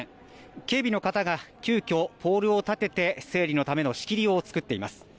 警備の方が急きょ・ポールを立てて整理のための仕切りを作っています。